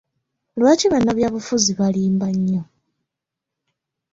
Lwaki bannabyabufuzi balimba nnyo?